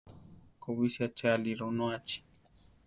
Kobísi aché aʼli, ronóachi.